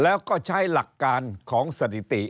แล้วก็ใช้หลักการของสถิติ